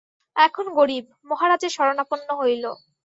এখন গরিব, মহারাজের শরণাপন্ন হইল।